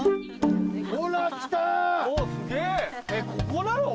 ここなの？